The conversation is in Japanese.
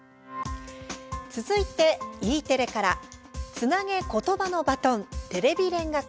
続いて、Ｅテレから「つなげ言葉のバトンテレビ連歌会」。